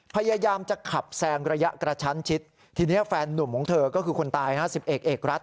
พยายามจะขับแซงระยะกระชั้นชิดทีนี้แฟนนุ่มของเธอก็คือคนตายฮะสิบเอกเอกรัฐ